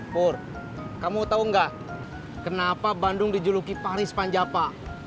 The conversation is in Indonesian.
pur kamu tahu nggak kenapa bandung dijuluki paris panjapa